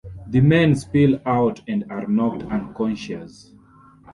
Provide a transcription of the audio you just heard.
The men spill out and are knocked unconscious.